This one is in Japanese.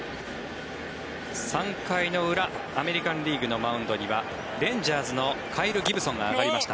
３回の裏、アメリカン・リーグのマウンドにはレンジャースのカイル・ギブソンが上がりました。